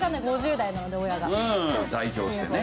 代表してね。